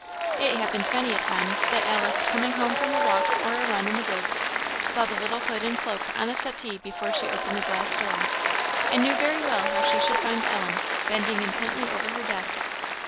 It happened many a time that Alice, coming home from a walk or a run in the woods, saw the little hood and cloak on the settee before she opened the glass door, and knew very well how she should find Ellen, bending intently over her desk.